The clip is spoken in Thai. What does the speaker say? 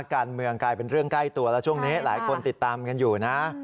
การเมืองกลายเป็นเรื่องใกล้ตัวแล้วช่วงนี้หลายคนติดตามกันอยู่นะ